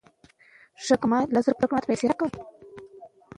که سوله وي ویره نه وي.